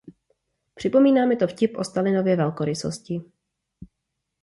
Připomíná mi to vtip o Stalinově velkorysosti.